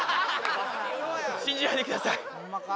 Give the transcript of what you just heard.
信じないでくださいホンマか？